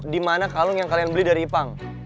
dimana kalung yang kalian beli dari ipang